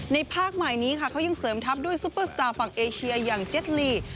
ภาคใหม่นี้ค่ะเขายังเสริมทัพด้วยซุปเปอร์สตาร์ฝั่งเอเชียอย่างเจ็ดลี